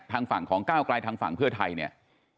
ทางฝั่งของก้าวกลายทางฝั่งเพื่อไทยเนี่ย